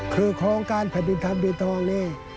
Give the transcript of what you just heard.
คือโครงการแผ่นดินทำบินทองนี้